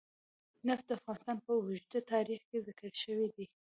نفت د افغانستان په اوږده تاریخ کې ذکر شوی دی.